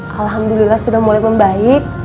alhamdulillah sudah mulai membaik